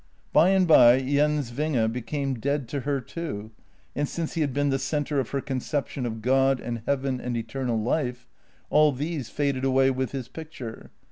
By and by Jens Winge became dead to her too, and since he had been the centre of her conception of God, and heaven, and eternal life, all these faded away with his picture.